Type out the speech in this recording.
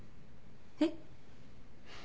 えっ？